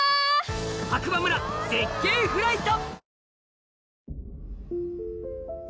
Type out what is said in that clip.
白馬村絶景フライト！